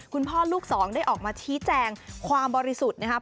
คุณพ่อลูกสองได้ออกมาชี้แจงความบริสุทธิ์นะครับ